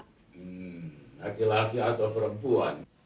hmm lelaki atau perempuan